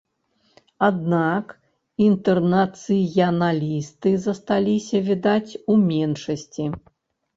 Аднак інтэрнацыяналісты засталіся, відаць, у меншасці.